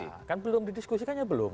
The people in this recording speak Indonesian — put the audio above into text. iya kan belum didiskusikannya belum